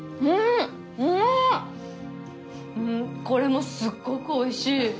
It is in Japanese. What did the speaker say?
うんこれもすっごく美味しい。